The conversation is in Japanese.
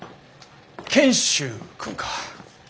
賢秀君か。